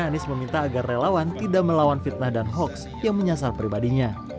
anies meminta agar relawan tidak melawan fitnah dan hoaks yang menyasar pribadinya